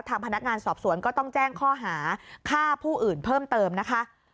ทางพนักงานสอบสวนก็ต้องแจ้งข้อหาฆ่าผู้อื่นเพิ่มเติมนะคะ